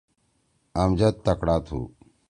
امجد تکڑا تُھو۔